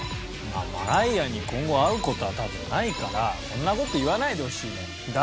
まあマライアに今後会う事は多分ないからこんな事言わないでほしいね。